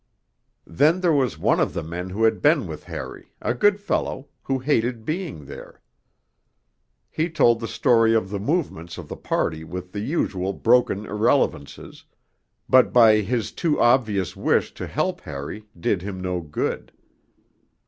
Then there was one of the men who had been with Harry, a good fellow, who hated being there. He told the story of the movements of the party with the usual broken irrelevances, but by his too obvious wish to help Harry did him no good.